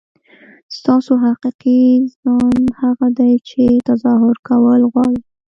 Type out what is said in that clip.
ستاسو حقیقي ځان هغه دی چې تظاهر کول غواړي.